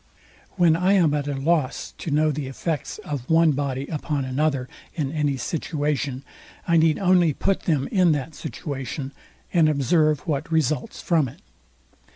When I am at a loss to know the effects of one body upon another in any situation, I need only put them in that situation, and observe what results from it.